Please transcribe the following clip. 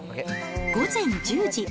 午前１０時。